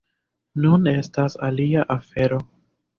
Nun estas alia afero.